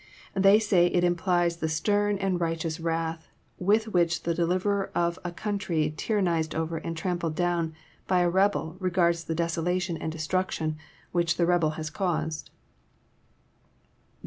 They say it implies the stem and righteous wrath with which the deliverer of a country tyran nized over and trampled down by a rebel regards the desolation and destruction which the rebel has caused.